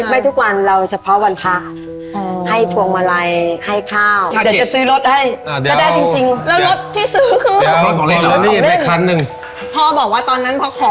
ไม่ทุกวันเราเฉพาะวันพัก